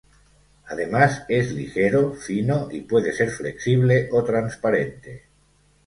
Además es ligero, fino y puede ser flexible o transparente.